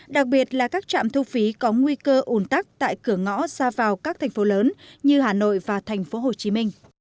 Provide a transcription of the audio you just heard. đặc biệt là các trạm thu phí có nguy cơ ủng tác tại cửa ngõ xa vào các thành phố lớn như hà nội và tp hcm